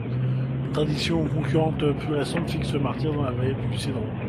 Une tradition concurrente plus récente fixe ce martyre dans la vallée du Cédron.